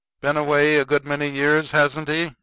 "Been away a good many years, hasn't he?"